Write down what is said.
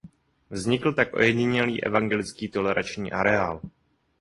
Vznikl tak ojedinělý Evangelický toleranční areál.